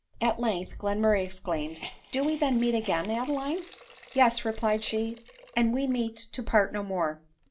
At length Glen murray exclaimed ;" Do we then meet again, Adeline !"" Yes," replied she ;" and we meet to part no more.